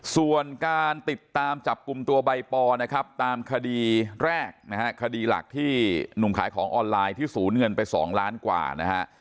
ส่วนการติดตามจับกลุ่มตัวใบปอนะครับตามคดีแรกนะฮะคดีหลักที่หนุ่มขายของออนไลน์ที่ศูนย์เงินไป๒ล้านกว่านะฮะ